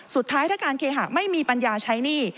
สุดท้ายถ้าการเคหะไม่มีปัญญาใช้หนี้